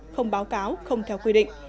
không báo cáo không theo quy định